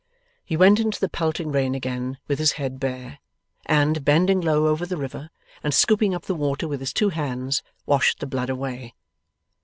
He went into the pelting rain again with his head bare, and, bending low over the river, and scooping up the water with his two hands, washed the blood away.